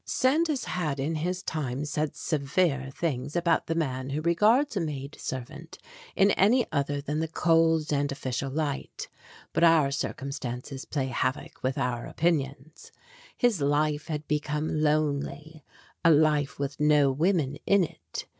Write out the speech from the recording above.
Sandys had in his time said severe things about the man who regards a maid servant in any other than the cold and official light, but our circumstances play havoc with our opinions. His life had become lonely, a life with no women in it.